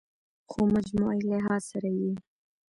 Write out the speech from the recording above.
خو مجموعي لحاظ سره ئې